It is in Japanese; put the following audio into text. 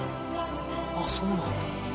あっそうなんだ。